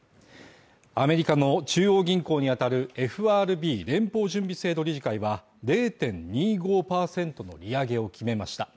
アメリカの中央銀行にあたるＦＲＢ＝連邦準備制度理事会は０．２５％の利上げを決めました。